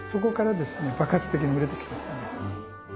爆発的に売れてきますね。